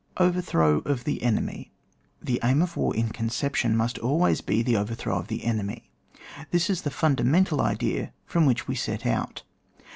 OVEBTHBOW OF THE ENEMY. The aim of war in conception must al ways be the overthrow of the enemy ; this is the fundamental idea from which we set out.